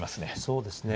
そうですね。